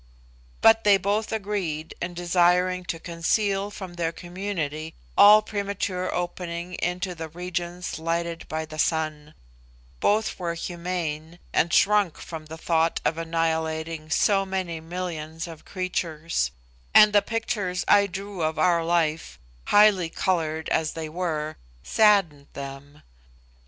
But they both agreed in desiring to conceal from their community all premature opening into the regions lighted by the sun; both were humane, and shrunk from the thought of annihilating so many millions of creatures; and the pictures I drew of our life, highly coloured as they were, saddened them.